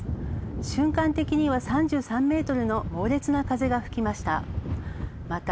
瞬間的には３３メートルの猛烈な風が吹きました。